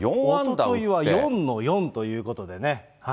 おとといは４の４ということでね。